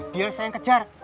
dia saya yang kejar